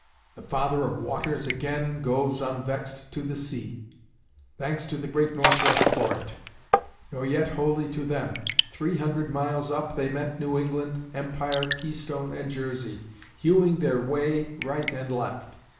The Father of Waters again goes unvexed to the sea. Thanks to the great Northwest for it; nor yet wholly to them. Three hundred miles up they met New England, Empire, Keystone, and Jersey, hewing their way right and left.